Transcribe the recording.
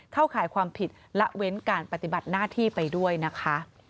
ข่ายความผิดละเว้นการปฏิบัติหน้าที่ไปด้วยนะคะ